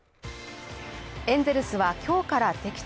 エンゼルスは今日から敵地